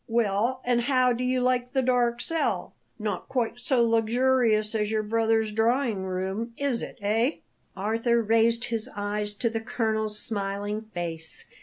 Well, and how do you like the dark cell? Not quite so luxurious as your brother's drawing room, is it? eh?" Arthur raised his eyes to the colonel's smiling face.